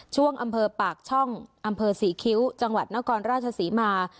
ช่วงอำเภอปากช่องอำเภอศรีคิ้วจังหวัดนครราชศรีมา